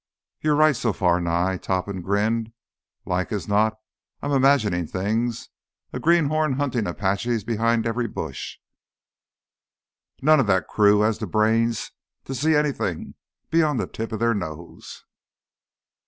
You're right so far, Nye." Topham grinned. "Like as not, I'm imaginin' things—a greenhorn huntin' Apaches behind every bush. None of that crew has the brains to see anything beyond the tip of his nose.